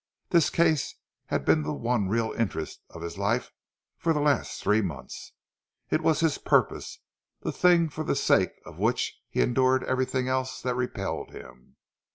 This case had been the one real interest of his life for the last three months; it was his purpose, the thing for the sake of which he endured everything else that repelled him.